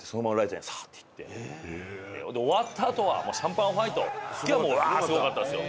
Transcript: で終わったあとはシャンパンファイトの時はワーッすごかったですよ。